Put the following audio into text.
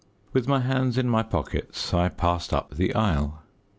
With my hands in my pockets I passed up the aisle.